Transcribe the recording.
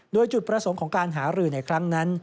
โดยจุดประสงค์ของการหารือในครั้งนั้น